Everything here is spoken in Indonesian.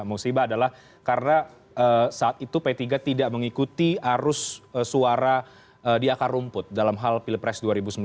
musibah adalah karena saat itu p tiga tidak mengikuti arus suara di akar rumput dalam hal pilpres dua ribu sembilan belas